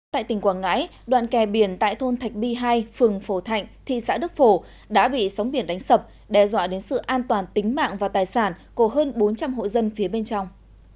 tại tỉnh quảng ngãi đoạn kè biển tại thôn thạch bi hai phường phổ thạnh thị xã đức phổ đã bị sóng biển đánh sập đe dọa đến sự an toàn tính mạng và tài sản của hơn bốn trăm linh hộ dân phía bên trong